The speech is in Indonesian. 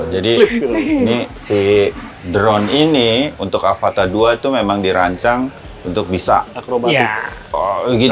jadi si drone ini untuk avata dua itu memang dirancang untuk bisa akrobatik